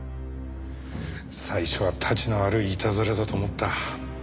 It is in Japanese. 最初はたちの悪いいたずらだと思った。